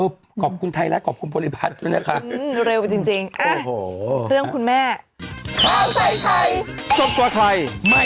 โปรดติดตามตอนต่อไป